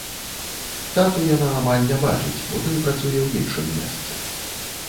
Тату яна амаль не бачыць, бо той працуе ў іншым месцы.